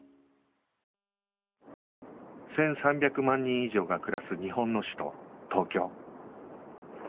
１３００万人以上が暮らす日本の首都東京